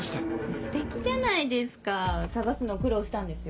ステキじゃないですか探すの苦労したんですよ。